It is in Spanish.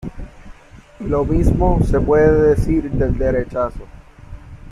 Y lo mismo se puede decir del derechazo.